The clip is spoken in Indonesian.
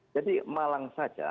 jadi malang saja